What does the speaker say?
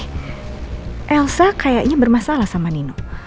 elsa kayaknya bermasalah sama nino